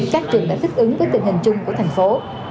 các trường đã thích ứng với tình hình chung của thành phố